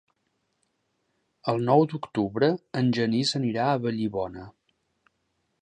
El nou d'octubre en Genís anirà a Vallibona.